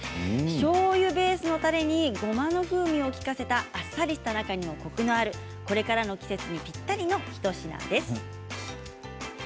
しょうゆベースのたれにごまの風味を利かせたあっさりした中にもコクがあるこれからの季節にぴったりの一品です。